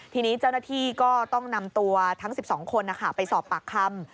ทีนี้เจ้าหน้าที่ก็ต้องนำตัวทั้ง๑๒คนไปสอบปากคำ